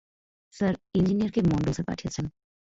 Sir, ইঞ্জিনিয়ারকে Mondal sir পাঠিয়েছেন।